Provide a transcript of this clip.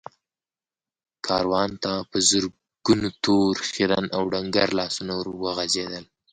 کاروان ته په زرګونو تور، خيرن او ډنګر لاسونه ور وغځېدل.